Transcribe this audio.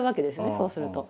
そうすると。